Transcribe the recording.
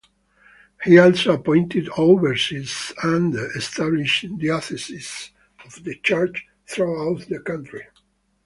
He also appointed overseers and established dioceses of the church throughout the country.